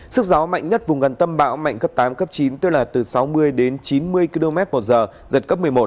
sức gió mạnh nhất vùng gần tâm bão mạnh cấp tám cấp chín tức là từ sáu mươi đến chín mươi km một giờ giật cấp một mươi một